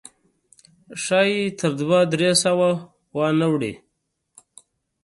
ښایي تر دوه درې سوه وانه وړي.